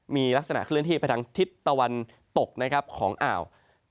มีลักษณะเคลื่อนที่ไปทางทิศตะวันตกนะครับของอ่าว